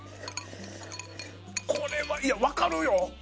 これは分かるよ。